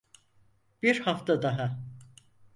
Bir hafta daha.